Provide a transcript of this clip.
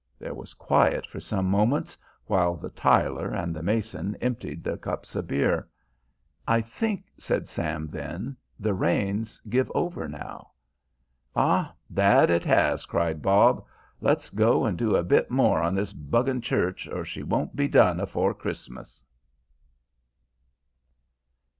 There was quiet for some moments while the tiler and the mason emptied their cups of beer. "I think," said Sam then, "the rain's give over now." "Ah, that it has," cried Bob. "Let's go and do a bit more on this 'bugging church or she won't be done afore Christmas."